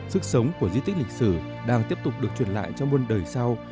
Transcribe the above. sức sống của di tích lịch sử đang tiếp tục được truyền lại trong buôn đời sau